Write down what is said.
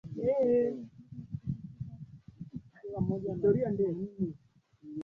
akifikiri kwamba ilikuwa ni kutafuta minyoo